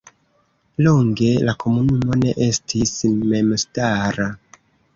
Longe la komunumo ne estis memstara.